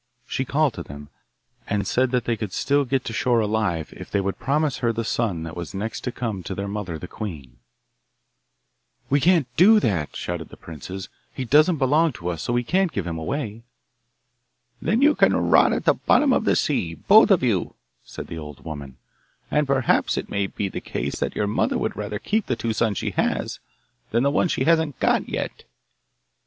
She called to them, and said that they could still get to shore alive if they would promise her the son that was next to come to their mother the queen. 'We can't do that,' shouted the princes; 'he doesn't belong to us so we can't give him away.' 'Then you can rot at the bottom of the sea, both of you,' said the old woman; 'and perhaps it may be the case that your mother would rather keep the two sons she has than the one she hasn't got yet.